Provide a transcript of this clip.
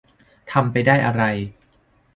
ทำไปได้อะไร